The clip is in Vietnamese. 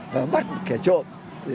và bắt một kẻ trộm